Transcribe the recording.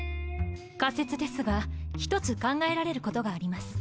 仮説ですが１つ考えられることがあります。